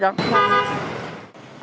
giao thuốc cho khách ạ